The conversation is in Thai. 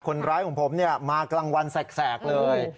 คนร้ายของผมมากลางวันแสกเลย